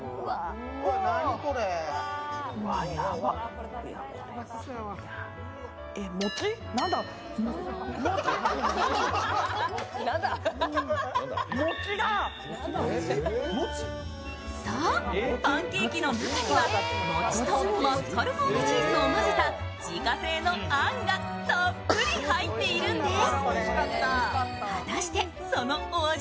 うわ、やばそう、パンケーキの中には餅とマスカルポーネチーズを混ぜた自家製のあんがたっぷり入っているんです。